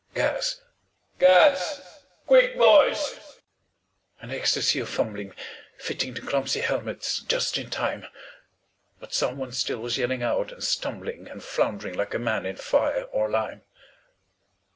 GAS! Gas! Quick, boys! An ecstasy of fumbling, Fitting the clumsy helmets just in time; But someone still was yelling out and stumbling And floundering like a man in fire or lime.